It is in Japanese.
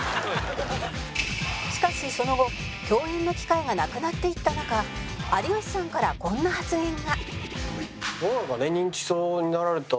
「しかしその後共演の機会がなくなっていった中有吉さんからこんな発言が」